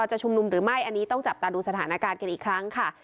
จะชุมนุมหรือไม่อันนี้ต้องจับตาดูสถานการณ์กันอีกครั้งค่ะ